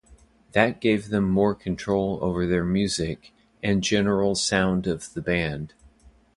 That gave them more control over their music and general sound of the band.